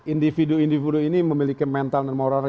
individu individu ini memiliki mental dan moral